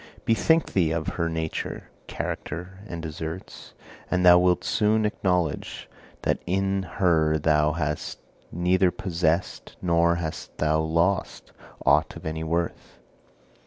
Bethink thee of her nature, character, and deserts, and thou wilt soon acknowledge that in her thou hast neither possessed, nor hast thou lost, aught of any worth.